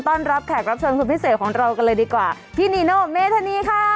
รับแขกรับเชิญคนพิเศษของเรากันเลยดีกว่าพี่นีโนเมธานีค่ะ